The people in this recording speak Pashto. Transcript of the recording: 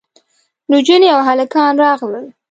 نجونې او هلکان راغلل.